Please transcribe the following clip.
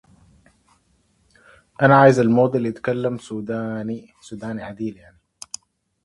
They collaborated in researching and publishing material on the Scythians.